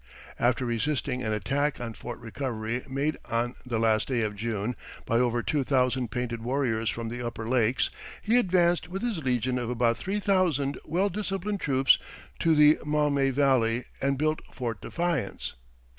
After resisting an attack on Fort Recovery made on the last day of June by over two thousand painted warriors from the Upper Lakes, he advanced with his legion of about three thousand well disciplined troops to the Maumee Valley and built Fort Defiance.